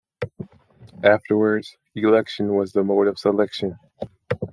Afterwards, election was the mode of selection.